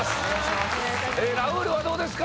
ラウールはどうですか？